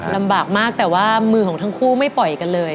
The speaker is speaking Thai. ลำบากมากแต่ว่ามือของทั้งคู่ไม่ปล่อยกันเลย